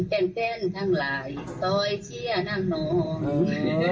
แกนเป็นทั้งหลายต่อยเชียร์น้ำน้อง